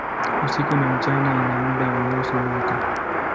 Usiku na mchana ina muda wa nusu mwaka.